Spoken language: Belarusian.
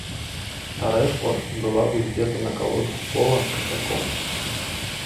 А рэхва была ўздзета на калодку кола касяком.